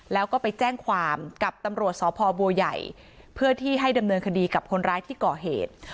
แล้วก็ไปแจ้งความกับตำรวจสพบัวใหญ่เพื่อที่ให้ดำเนินคดีกับคนร้ายที่ก่อเหตุ